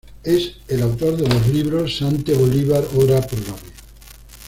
Es el autor de los libros ¡Sancte Bolívar Ora pro Nobis!